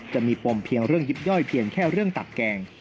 จะมีปมเพียงเรื่องยิบย่อยเพียงแค่เรื่องตักแกง